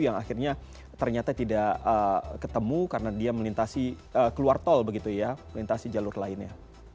yang akhirnya ternyata tidak ketemu karena dia melintasi keluar tol begitu ya melintasi jalur lainnya